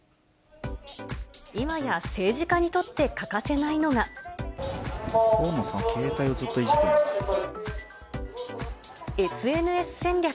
今や政治家にとって欠かせな河野さん、ＳＮＳ戦略。